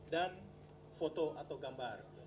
dan foto atau gambar